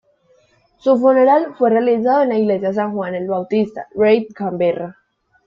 Su funeral fue realizado en la Iglesia San Juan el Bautista, Reid, Camberra.